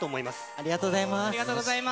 ありがとうございます。